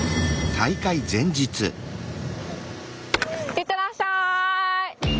いってらっしゃい。